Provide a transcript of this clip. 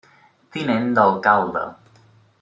Tinent d'Alcalde.